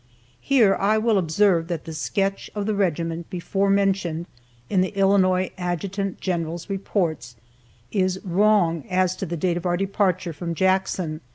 (Here I will observe that the sketch of the regiment before mentioned in the Illinois Adjutant General's Reports is wrong as to the date of our departure from Jackson.